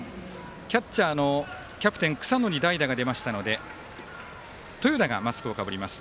キャッチャーのキャプテン草野に代打が出ましたので豊田がマスクをかぶります。